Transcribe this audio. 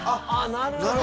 なるほど。